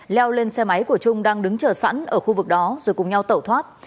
leo lên xe máy của trung đang đứng chờ sẵn ở khu vực đó rồi cùng nhau tẩu thoát